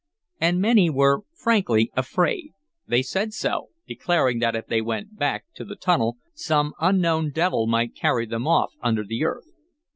And many were frankly afraid. They said so, declaring that if they went back to the tunnel some unknown devil might carry them off under the earth.